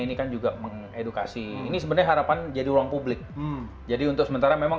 ini kan juga mengedukasi ini sebenarnya harapan jadi ruang publik jadi untuk sementara memang